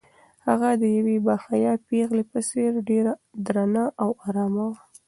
هغه د یوې باحیا پېغلې په څېر ډېره درنه او ارامه وه.